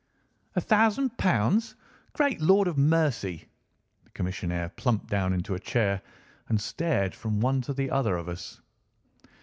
"A thousand pounds! Great Lord of mercy!" The commissionaire plumped down into a chair and stared from one to the other of us.